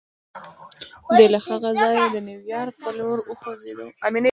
دی له هغه ځايه د نيويارک پر لور وخوځېد.